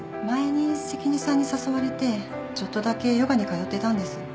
前に関根さんに誘われてちょっとだけヨガに通ってたんです。